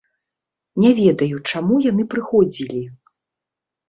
Не ведаю, чаму яны прыходзілі.